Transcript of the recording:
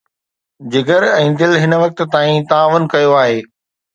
جگر ۽ دل هن وقت تائين تعاون ڪيو آهي.